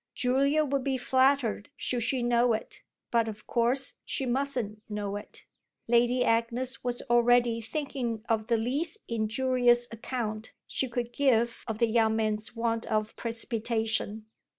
Julia would be flattered should she know it, but of course she mustn't know it. Lady Agnes was already thinking of the least injurious account she could give of the young man's want of precipitation.